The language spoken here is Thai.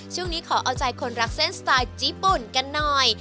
ช่วงนี้ขอเอาใจคนรักเส้นสไตล์ญี่ปุ่นกันหน่อย